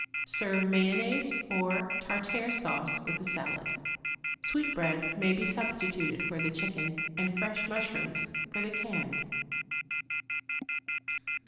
Serve mayonnaise or tartare sauce with the salad. Sweetbreads may be substituted for the chicken, and fresh mushrooms for the canned.